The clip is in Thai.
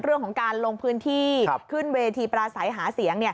เรื่องของการลงพื้นที่ขึ้นเวทีปราศัยหาเสียง